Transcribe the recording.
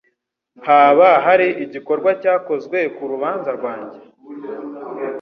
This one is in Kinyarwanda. Haba hari igikorwa cyakozwe ku rubanza rwanjye?